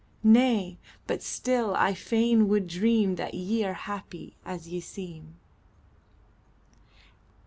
Nay but still I fain would dream That ye are happy as ye seem.